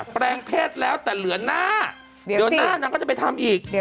แปลงเพศแล้วแต่เหลือหน้าเดี๋ยวหน้านางก็จะไปทำอีก